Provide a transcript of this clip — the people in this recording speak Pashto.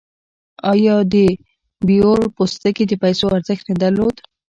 آیا د بیور پوستکي د پیسو ارزښت نه درلود؟